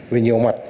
về nhiều mặt